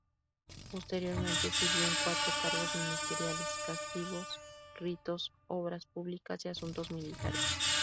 Posteriormente sirvió en cuatro cargos ministeriales: Castigos, ritos, obras públicas y asuntos militares.